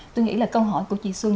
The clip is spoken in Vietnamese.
tôi nghĩ là câu hỏi của chị xuân